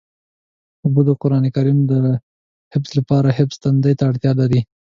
اوبه د قرآن کریم د حفظ لپاره حافظ تندې ته اړتیا لري.